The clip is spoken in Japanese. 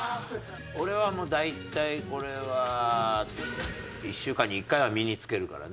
俺はもう大体これは１週間に１回は身につけるからね。